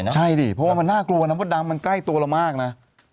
ใช่ดิเพราะว่ามันน่ากลัวนะมดดำมันใกล้ตัวเรามากนะ